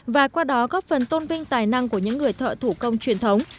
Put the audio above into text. và qua đó góp phần tôn vinh tài năng của những người thợ thủ công truyền thống